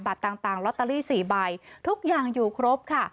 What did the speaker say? บัตรต่างต่างรอตเตอรี่สี่ใบทุกอย่างอยู่ครบค่ะ